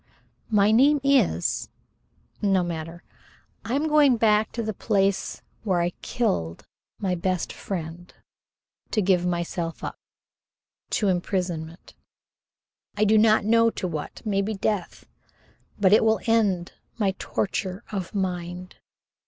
My name is no matter . I'm going back to the place where I killed my best friend to give myself up to imprisonment I do not know to what maybe death but it will end my torture of mind.